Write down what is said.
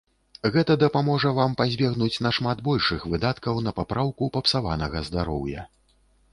Гэта дапаможа вам пазбегнуць нашмат большых выдаткаў на папраўку папсаванага здароўя.